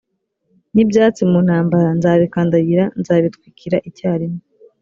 n ibyatsi mu ntambara nzabikandagira nzabitwikira icyarimwe